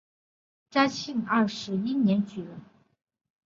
嘉庆二十一年举人。